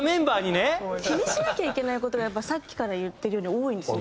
気にしなきゃいけない事がやっぱさっきから言ってるように多いんですよ。